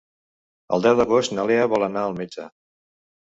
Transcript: El deu d'agost na Lea vol anar al metge.